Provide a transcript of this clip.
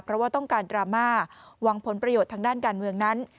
เพราะว่าต้องการดราม่าหวังผลประโยชน์ทางด้านการเมืองนั้น